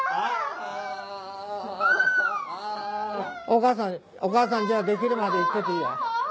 お母さんお母さんじゃあできるまで行ってていいよ。